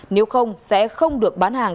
nếu không sẽ không được bán hàng